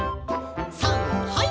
さんはい。